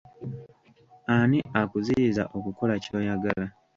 Ani akuziyiza okukola ky’oyagala?